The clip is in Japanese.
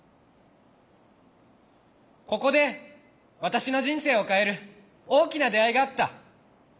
ここで私の人生を変える大きな出会いがあった。